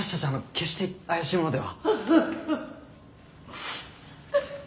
決して怪しい者では。